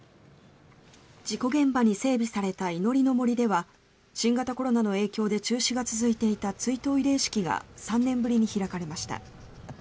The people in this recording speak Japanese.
事故現場に整備された祈りの杜では新型コロナの影響で中止が続いていた追悼慰霊式が３年ぶりに開かれました。